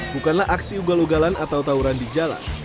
bukanlah aksi ugal ugalan atau tawuran di jalan